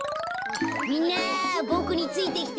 みんなボクについてきて。